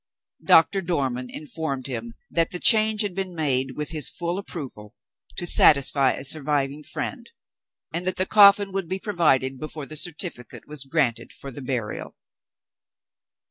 Doctor Dormann informed him that the change had been made, with his full approval, to satisfy a surviving friend, and that the coffin would be provided before the certificate was granted for the burial.